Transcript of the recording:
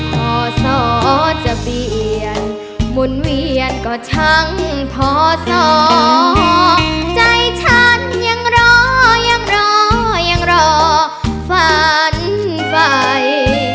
พอสอจะเปลี่ยนหมุนเวียนก็ช่างพอสอใจฉันยังรอยังรอยังรอฝันไฟ